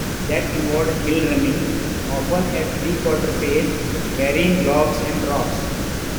That involved hill running, often at three-quarter pace, carrying logs and rocks.